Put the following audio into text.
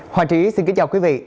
hòa trí xin kính chào quý vị